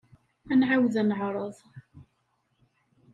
Ad nɛawed ad neɛreḍ.